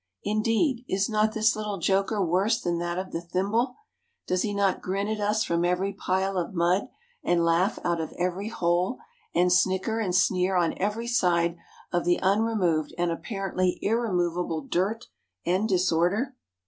Indeed, is not this little joker worse than that of the thimble? Does he not grin at us from every pile of mud, and laugh out of every hole, and snicker and sneer on every side of the unremoved and apparently irremovable dirt and disorder?